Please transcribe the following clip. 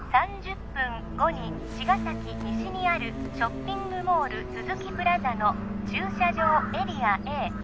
３０分後に茅ヶ崎西にあるショッピングモール都築プラザの駐車場エリア